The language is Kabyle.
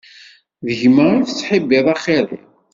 Gma i tettḥibbiḍ axir-iw?